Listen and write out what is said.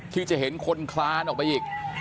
ที่จะเห็นคนคลานออกไปอีก